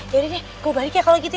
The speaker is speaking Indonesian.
yaudah deh gue balik ya kalau gitu ya